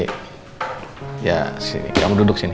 iya sini kamu duduk sini